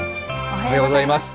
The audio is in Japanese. おはようございます。